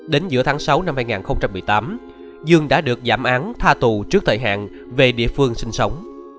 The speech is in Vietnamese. đến giữa tháng sáu năm hai nghìn một mươi tám dương đã được giảm án tha tù trước thời hạn về địa phương sinh sống